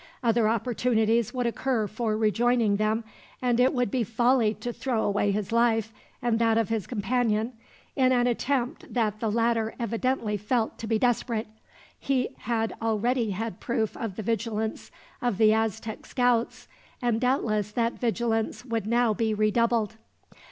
Other opportunities would occur for rejoining them, and it would be folly to throw away his life, and that of his companion, in an attempt that the latter evidently felt to be desperate. He had already had proof of the vigilance of the Aztec scouts, and doubtless that vigilance would now be redoubled.